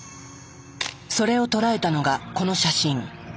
それを捉えたのがこの写真。